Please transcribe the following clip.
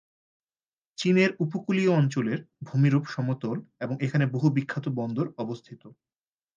চীনের উপকূলীয় অঞ্চলের ভূমিরূপ সমতল এবং এখানে বহু বিখ্যাত বন্দর অবস্থিত।